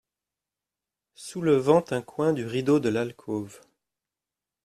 Soulevant un coin du rideau de l’alcôve.